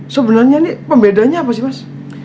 sebenarnya ini pembedanya apa sih mas